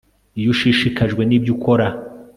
iyo ushishikajwe nibyo ukora